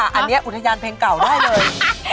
อันนี้อุทยานเพลงเก่าได้เลย